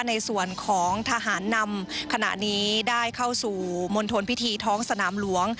ในส่วนของทหารนำขณะนี้ได้เข้าสู่มณฑลพิธีท้องสนามหลวง